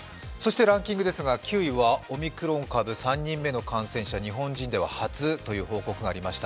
９位はオミクロン株３人目の感染者、日本人では初という報告がありました。